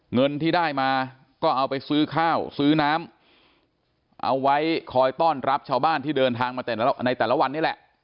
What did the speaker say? เงินที่ได้มาก็เอาไปซื้อข้าวซื้อน้ำเอาไว้คอยต้อนรับชาวบ้านที่เดินทางมาแต่ละในแต่ละวันนี้แหละ